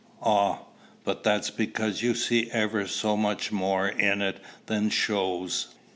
"Ah! but that's because you see ever so much more in it than shows.